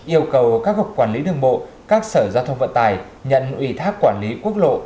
yêu cầu các cục quản lý đường bộ các sở giao thông vận tài nhận ủy thác quản lý quốc lộ